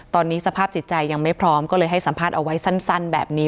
ตอนนี้สภาพจิตใจยังไม่พร้อมก็เลยให้สัมภาษณ์เอาไว้สั้นแบบนี้